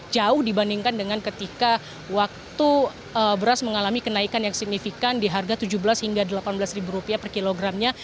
jauh dibandingkan dengan ketika waktu beras mengalami kenaikan yang signifikan di harga rp tujuh belas delapan belas per kilogramnya